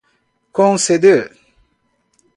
conceder